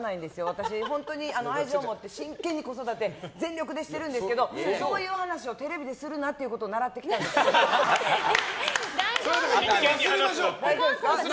私、本当に愛情を持って真剣に子育て全力でしてるんですけどそういう話をテレビでするなっていうことを１回忘れましょう。